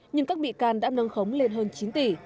nhưng các bị can đã nâng khống lên hơn chín tỷ